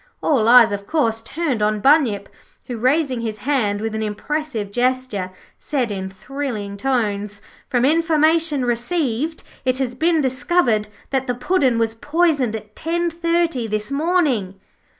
All eyes, of course, turned on Bunyip, who, raising his hand with an impressive gesture, said in thrilling tones: 'From information received, it has been discovered that the Puddin' was poisoned at ten thirty this morning.'